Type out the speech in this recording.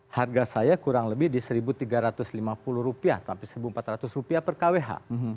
harga saya kurang lebih di rp satu tiga ratus lima puluh tapi rp satu empat ratus per kwh